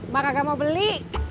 mak kagak mau beli